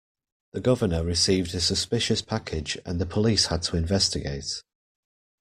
The governor received a suspicious package and the police had to investigate.